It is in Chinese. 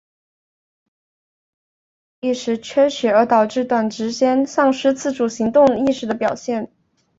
晕厥指的是大脑一时性缺血而导致短时间内丧失自主行动意识的表现。